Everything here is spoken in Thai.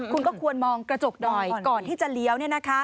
คุณก็ควรมองกระจกหน่อยก่อนที่จะเลี้ยว